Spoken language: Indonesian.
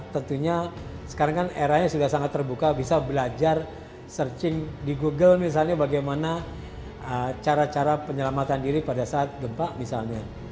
tentunya sekarang kan eranya sudah sangat terbuka bisa belajar searching di google misalnya bagaimana cara cara penyelamatan diri pada saat gempa misalnya